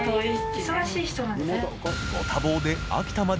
忙しい人なんでね。